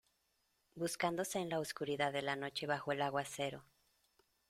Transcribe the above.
buscándose en la oscuridad de la noche bajo el aguacero.